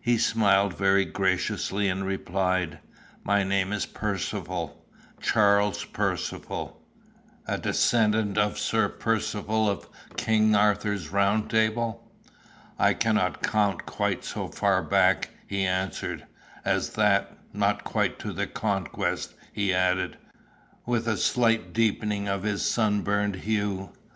He smiled very graciously and replied, "My name is Percivale Charles Percivale." "A descendant of Sir Percivale of King Arthur's Round Table?" "I cannot count quite so far back," he answered, "as that not quite to the Conquest," he added, with a slight deepening of his sunburnt hue.